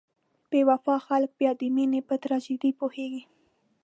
بې وفا خلک بیا د مینې په تراژیدۍ پوهیږي.